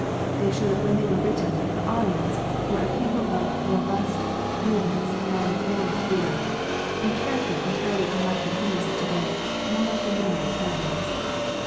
They show that when they were written the Aryans were a people of robust rudeness and manly freedom, in character entirely unlike the Hindus of to day, more like the nomad Persians.